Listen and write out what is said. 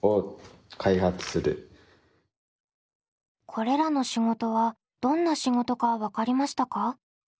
これらの仕事はどんな仕事か分かりましたか？